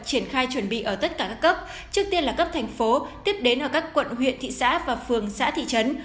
triển khai chuẩn bị ở tất cả các cấp trước tiên là cấp thành phố tiếp đến ở các quận huyện thị xã và phường xã thị trấn